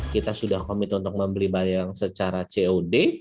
kita sudah komit untuk membeli barang secara cod